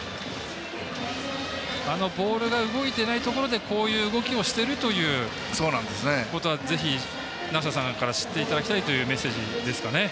ボールが動いていないところでこういう動きをしているということは、ぜひ梨田さんから知っていただきたいというメッセージですかね。